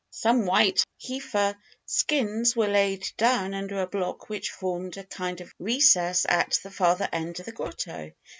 "Some white heifer skins were laid down under a block which formed a kind of recess at the farther end of the grotto.